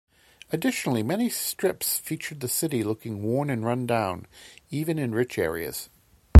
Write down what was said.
Additionally many strips feature the city looking worn and run-down even in "rich" areas.